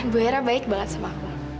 bu hera baik banget sama aku